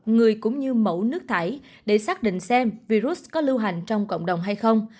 người cũng như mẫu nước thải để xác định xem virus có lưu hành trong cộng đồng hay không